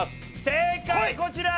正解こちら！